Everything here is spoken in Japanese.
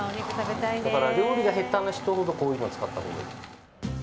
だから、料理が下手な人ほどこういうの使ったほうがいい。